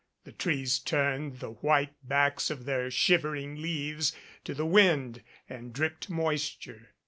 The trees turned the white backs of their shivering leaves to the wind and dripped moisture.